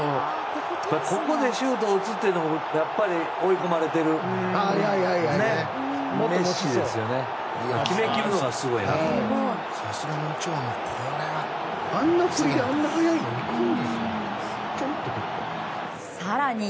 ここでシュート打つというのもやっぱり追い込まれてるからね。